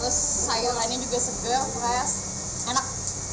terus sayurannya juga segar fresh enak